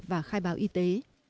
và khai báo y tế